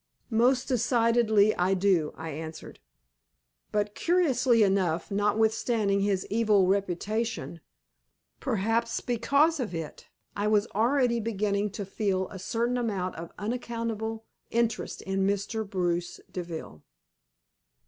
"Most decidedly I do," I answered. But, curiously enough, notwithstanding his evil reputation perhaps because of it I was already beginning to feel a certain amount of unaccountable interest in Mr. Bruce Deville.